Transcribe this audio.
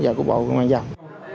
và của bộ công an giao